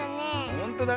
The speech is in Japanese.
ほんとだ！